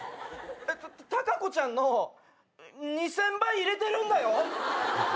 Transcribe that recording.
タカコちゃんの２，０００倍入れてるんだよ？